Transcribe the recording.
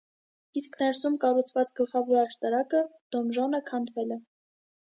Իսկ ներսում կառուցված գլխավոր աշտարակը՝ դոնժոնը, քանդվել է։